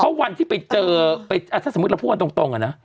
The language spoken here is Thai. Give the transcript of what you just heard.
เพราะวันที่ไปเจอถ้าสมมุติเราพูดกันตรงอะนะ